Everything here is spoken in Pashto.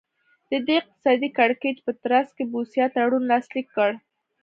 د دې اقتصادي کړکېچ په ترڅ کې بوسیا تړون لاسلیک کړ.